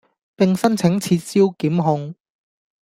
並申請撤銷檢控